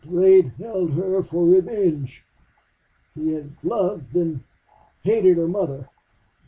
Durade held her for revenge. He had loved then hated her mother...